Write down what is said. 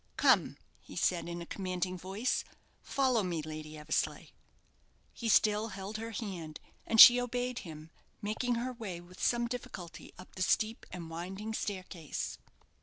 "Come," he said, in a commanding voice. "Follow me, Lady Eversleigh." He still held her hand, and she obeyed him, making her way with some difficulty up the steep and winding staircase.